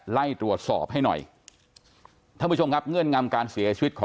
ไล่ตรวจสอบให้หน่อยท่านผู้ชมครับเงื่อนงำการเสียชีวิตของ